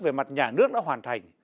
về mặt nhà nước đã hoàn thành